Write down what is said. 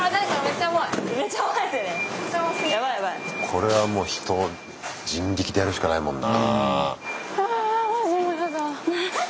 これはもう人人力でやるしかないもんな。